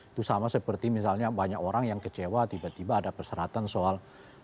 itu sama seperti misalnya banyak orang yang kecewa tiba tiba ada perseratan soal